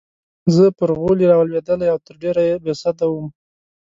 زه پر غولي رالوېدلې او تر ډېره بې سده وم.